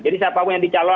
jadi siapapun yang dicalon